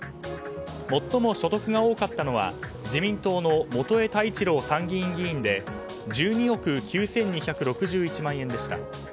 最も所得が多かったのは自民党の本栄太一郎参議院議員で１２億９２６１万円でした。